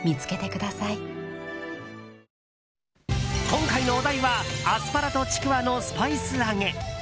今回のお題はアスパラとちくわのスパイス揚げ。